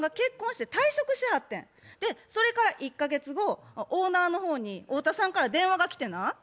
それから１か月後オーナーの方に太田さんから電話が来てな。